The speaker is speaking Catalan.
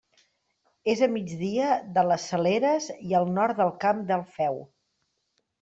És a migdia de les Saleres i al nord del Camp del Feu.